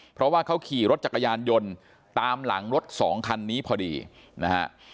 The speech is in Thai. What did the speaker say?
เพราะว่าเขาขี่รถจักรยานยนต์ตามหลังรถสองคันนี้พอดีนะฮะ